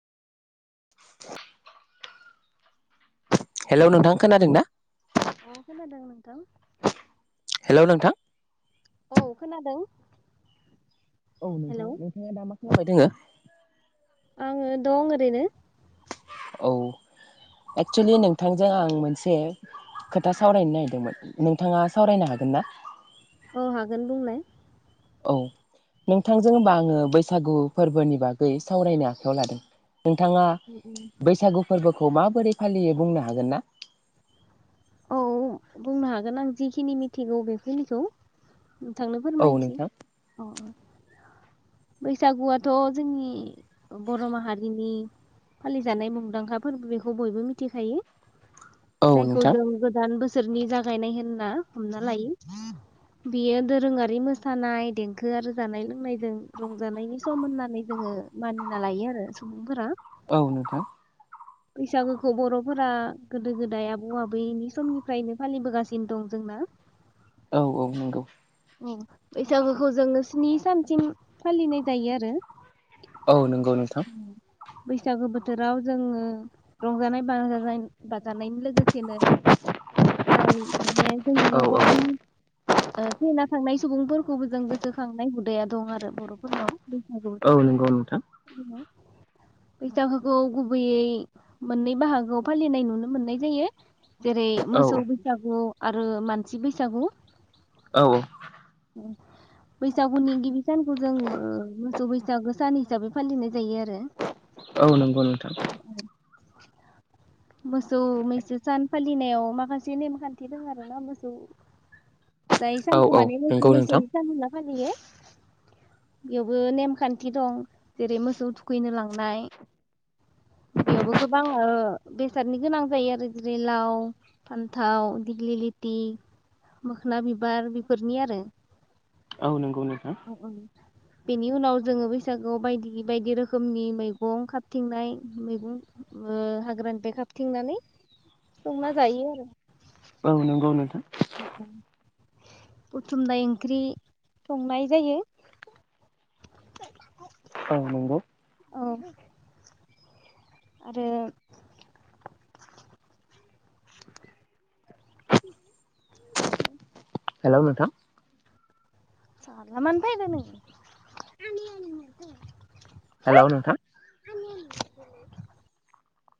[unintelligible] Hello नोंथां खोनादों ना अ खोनादों नोंथां हेलौ नोंथां औ खोनादों औ हेलौ नोंथां नोंथांङा दामा खालामबाय दोंङो आंङो दं ओरैनो औ एक्सुलि नोंथांजों आं मोनसे खोथा सावरायनो नागिरदोंमोन नोंथांङा सावरायनो हागोन ना औ हागोन बुंलाय औ नोंथांजों होनबा आंङो बैसागु फोरबोनि बागै सावरायनो आखायाव लादों । नोंथांङा बैसागु फोरबोखौ मा बोरै फालियो बुंनो हागोन ना औ बुंनो हागोन आं जिखिनि मिथिगौ बेखिनिखौ नोंथांनो औ फोरमायनोसै नोंथां अ बैसागुआथ' जोंनि बर' माहारिनि फालिजानाय मुंदांखा फोरबो बेखौ बयबो मिथिखायो । औ जायखौ नोंथां जों गोदान बोसोरनि जागायनाय होनना हमना लायो बेयो दोरोंङारि मोसानाय देंखो आरो जानाय लोंनायजों रंजानायनि सम होननानै जोंङो मानिना लायो आरो सुबुंफोरा औ नोंथां बैसागोखौ बर'फोरा गोदो गोदाय आबौ आबैनि समनिफ्रायनो फालिबोगासिनो दं जोंना। औ औ नोंगौ औ बैसागोखौ जोंङो स्नि सानसिम फालिनाय जायो आरो औ नंगौ नोंथां बैसागो बोथोराव जोंङो रंजानाय बाजानाय बा जानायनि लोगोसेनो जाय माने जोंनि औ न'खरनि औ ओ थैना थांनाय सुबुंफोरखौबो जों गोसोखांनाय हुदाया दं आरो बर'फोरनाव बैसागु औ नंगौ नोंथां खोना बैसागुखौ गुबैयै मोननै बाहागोआव फालिनाय नुनो मोननाय जायो। जेरै औ मोसौ बैसागु आरो मानसि बैसागु। औ बैसागुनि गिबि सानखौ जों ओ मोसौ बैसागो सान हिसाबै फालिनाय जायो आरो औ नंगौ नोंथां। [unintelligible] मोसौ मैसो सान फालिनायाव माखासे नेमखान्थि दोङो आरो ना मोसौ जाय औ सानखौ औ माने मोसौ नंगौ नोंथां मैसोनि फालिला फालियो बेयावबो नेमखान्थि दं जेरै मोसौ थुखैनो लांनाय बेयावबो गोबां ओ बेसादनि गोनां जायो आरो जेरै लाव, फान्थाव, दिग्लि लिटि, मोखना बिबार बेफोरनि आरो औ नंगौ नोंथां। बेनि उनाव जोङो बैसागुआव बायदि बायदि रोखोमनि मैगं खारथिंनाय मैगं ओ हाग्रानि बे खाबथिंनानै संना जायो औ नंगौ नोंथां। अ अ बुथुमनाय ओंख्रि संनाय जायो। औ नंगौ। औ आरो हेल' नोंथां साला मानो फैदो नों? आनैया लिंहरदो हेल' नोंथां [unintelligible]